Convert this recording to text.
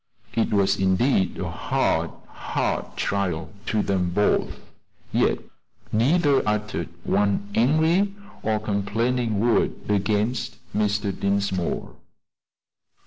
It was indeed a hard, hard trial to them both; yet neither uttered one angry or complaining word against Mr. Dinsmore.